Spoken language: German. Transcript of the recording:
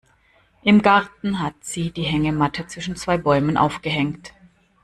Im Garten hat sie die Hängematte zwischen zwei Bäumen aufgehängt.